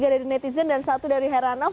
tiga dari netizen dan satu dari heranov